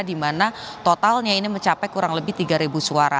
di mana totalnya ini mencapai kurang lebih tiga suara